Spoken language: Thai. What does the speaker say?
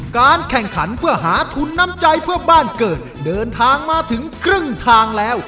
การแข่งขันเพื่อหาทุนน้ำใจเพื่อบ้านเกิดเดินทางมาถึงครึ่งทางแล้ว